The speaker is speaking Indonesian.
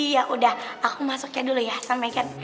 yaudah aku masuknya dulu ya sama ekel